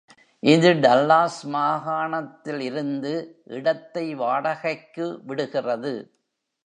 இது டல்லாஸ் மாகாணத்தில் இருந்து இடத்தை வாடகைக்கு விடுகிறது.